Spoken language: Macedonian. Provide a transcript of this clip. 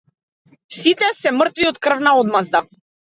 Сите се мртви од крвна одмазда.